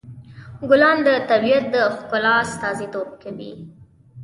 ګلان د طبیعت د ښکلا استازیتوب کوي.